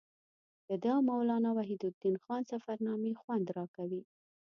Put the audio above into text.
د ده او مولانا وحیدالدین خان سفرنامې خوند راکوي.